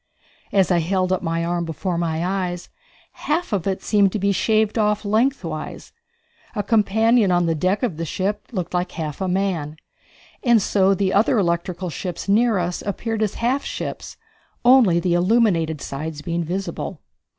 As I held up my arm before my eyes, half of it seemed to be shaved off lengthwise; a companion on the deck of the ship looked like half a man. So the other electrical ships near us appeared as half ships, only the illuminated sides being visible.